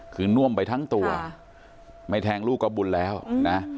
คือน่วมไปทั้งตัวไม่แทงลูกก็บุญแล้วนะ